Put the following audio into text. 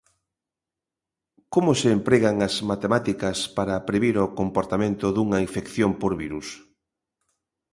Como se empregan as matemáticas para previr o comportamento dunha infección por virus?